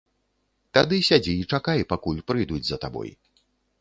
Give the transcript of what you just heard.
Тады сядзі і чакай, пакуль прыйдуць за табой.